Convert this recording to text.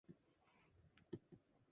The eastern boundary is Avenue Road.